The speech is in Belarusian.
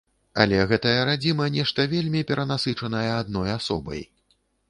Але гэтая радзіма нешта вельмі перанасычаная адной асобай.